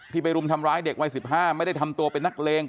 ไปรุมทำร้ายเด็กวัย๑๕ไม่ได้ทำตัวเป็นนักเลง